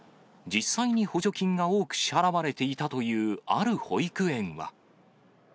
実際に補助金が多く支払われていたというある保育園は。